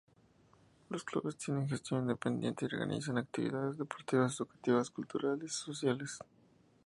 Los clubes tienen gestión independiente y organizan actividades deportivas, educativas, culturales y sociales.